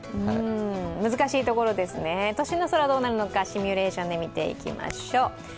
難しいところですね都心の空がどうなるのかシミュレーションで見ていきましょう。